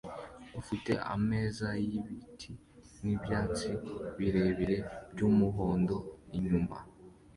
ufite ameza y'ibiti n'ibyatsi birebire by'umuhondo inyuma